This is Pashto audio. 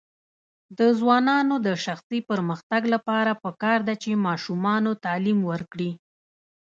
د ځوانانو د شخصي پرمختګ لپاره پکار ده چې ماشومانو تعلیم ورکړي.